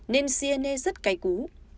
nên siene rất cay cú